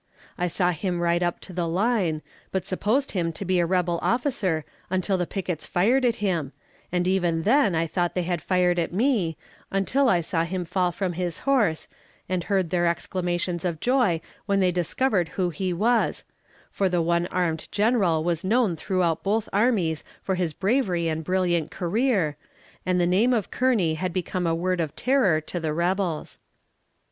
I saw him ride up to the line, but supposed him to be a rebel officer until the pickets fired at him, and even then I thought they had fired at me, until I saw him fall from his horse, and heard their exclamations of joy when they discovered who he was; for the one armed general was known throughout both armies for his bravery and brilliant career, and the name of Kearney had become a word of terror to the rebels.